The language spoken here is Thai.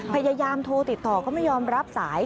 พยายามโทรติดต่อก็ไม่ยอมรับสาย